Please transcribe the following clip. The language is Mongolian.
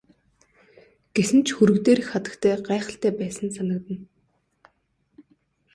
Гэсэн ч хөрөг дээрх хатагтай гайхалтай байсан санагдана.